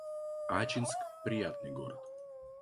Ачинск — приятный город